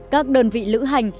các đơn vị lữ hành